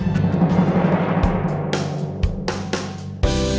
kumpul nya suami